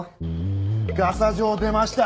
ガサ状出ました！